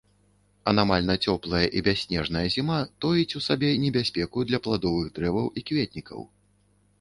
Анамальна цёплая і бясснежная зіма тоіць у сабе небяспеку для пладовых дрэваў і кветнікаў.